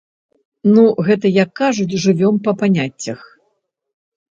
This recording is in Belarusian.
Ну, гэта, як кажуць, жывём па паняццях.